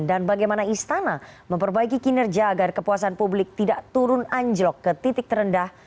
dan bagaimana istana memperbaiki kinerja agar kepuasan publik tidak turun anjlok ke titik terendah